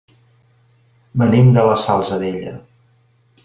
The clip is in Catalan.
Venim de la Salzadella.